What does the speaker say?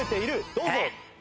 どうぞ。